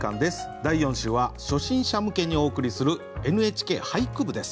第４週は初心者向けにお送りする「ＮＨＫ俳句部」です。